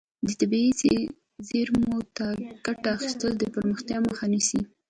د طبیعي زیرمو نه ګټه اخیستل د پرمختیا مخه نیسي.